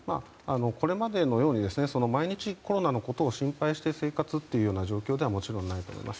これまでのように毎日コロナのことを考えて生活という状況ではもちろん、ないと思います。